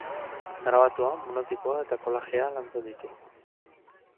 Grabatua, monotipoa eta collagea lantzen ditu.